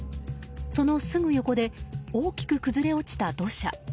そのすぐ横で大きく崩れ落ちた土砂。